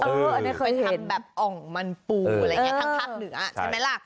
ไปทำแบบอ่องมันปูทั้งภาพเหนือใช่ไหมล่ะ